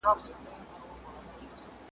کږه غاړه توره نه وهي.